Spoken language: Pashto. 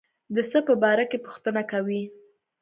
د څه په باره کې پوښتنه کوي.